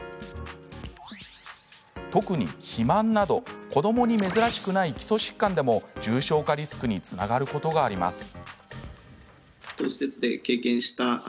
特に肥満など子どもに珍しくない基礎疾患でも重症化リスクにつながることがあります。